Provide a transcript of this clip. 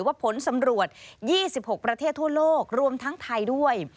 ผลสำรวจ๒๖ประเทศทั่วโลกรวมทั้งไทยด้วย